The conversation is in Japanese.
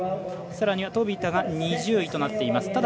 さらには飛田が２０位となっています。